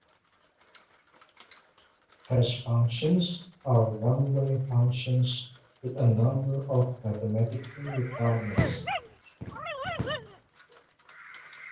Hash functions are one-way functions with a number of mathematical requirements.